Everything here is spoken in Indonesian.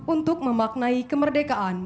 untuk memaknai kemerdekaan